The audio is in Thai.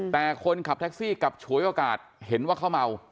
แต่คนขับแท็กซี่กลับฉวยโอกาสเห็นว่าเขาเมา